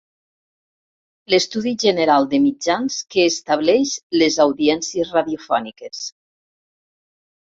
L'Estudi General de Mitjans que estableix les audiències radiofòniques.